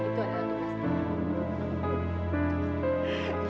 itu adalah tugasnya